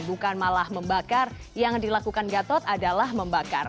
bukan malah membakar yang dilakukan gatot adalah membakar